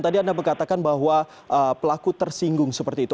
jadi anda berkatakan bahwa pelaku tersinggung seperti itu